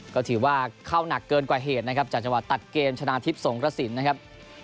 ก็ถือว่าเข้าหนักเกินกว่าเหตุนะครับจากจังหวะตัดเกมชนะทิพย์สงกระสินนะครับ